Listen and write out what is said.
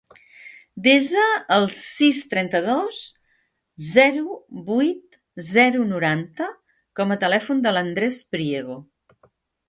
Desa el sis, trenta-dos, zero, vuit, zero, noranta com a telèfon de l'Andrés Priego.